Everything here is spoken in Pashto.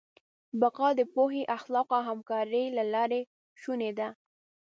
بقا د پوهې، اخلاقو او همکارۍ له لارې شونې ده.